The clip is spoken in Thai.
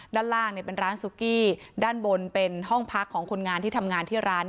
ด้านล่างเป็นร้านซุกี้ด้านบนเป็นห้องพักของคนงานที่ทำงานที่ร้าน